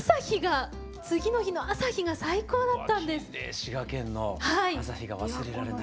滋賀県の朝日が忘れられない。